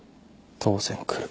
当然くる。